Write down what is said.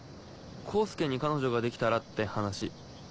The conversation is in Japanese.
功介に彼女ができたらって話。